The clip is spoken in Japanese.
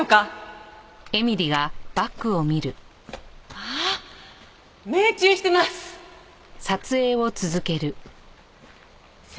あっ命中してます！